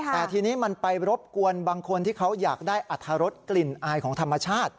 แต่ทีนี้มันไปรบกวนบางคนที่เขาอยากได้อรรถรสกลิ่นอายของธรรมชาติ